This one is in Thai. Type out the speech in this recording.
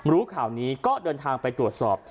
รู้ข่าวนี้ก็เดินทางไปตรวจสอบ